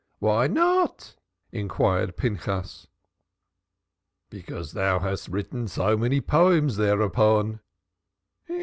"Why not?" inquired Pinchas. "Because you have written so many poems thereupon."